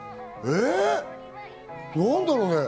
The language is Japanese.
何だろうね。